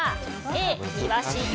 Ａ、イワシ